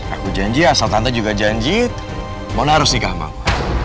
aku janji asal tante juga janji mohonlah harus nikah sama aku